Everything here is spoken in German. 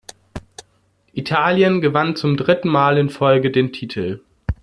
Italien gewann zum dritten Mal in Folge den Titel.